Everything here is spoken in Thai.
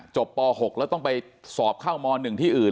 ป๖แล้วต้องไปสอบเข้าม๑ที่อื่น